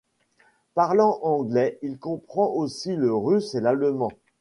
Parlant anglais, il comprend aussi le russe et l'allemand.